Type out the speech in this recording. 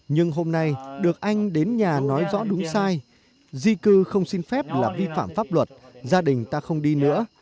nhưng hôm nay được anh đến nhà nói rõ đúng sai di cư không xin phép là vi phạm pháp luật gia đình ta không đi nữa